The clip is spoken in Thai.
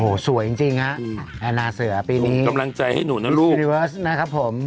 โหสวยจริงฮะแอนนาเสือปีนี้ส่งกำลังใจให้หนูนะลูก